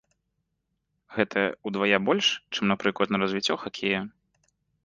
Гэта ўдвая больш, чым, напрыклад, на развіццё хакея.